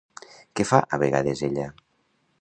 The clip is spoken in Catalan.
Què fa a vegades ella?